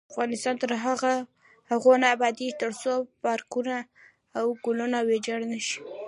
افغانستان تر هغو نه ابادیږي، ترڅو پارکونه او ګلونه ویجاړ نشي.